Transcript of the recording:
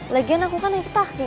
lagian aku kan ikut taksi